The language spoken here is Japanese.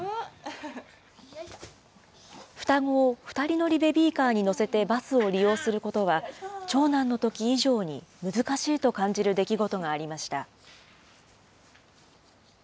双子を２人乗りベビーカーに乗せてバスを利用することは、長男のとき以上に難しいと感じる出来事がありました。